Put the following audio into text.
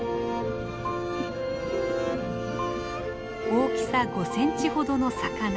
大きさ５センチほどの魚。